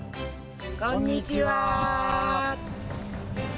こんにちは。